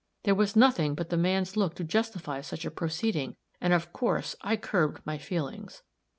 There was nothing but the man's look to justify such a proceeding, and of course I curbed my feelings.